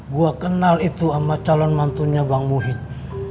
gua kenal itu ama calon mantunya bang muhyiddin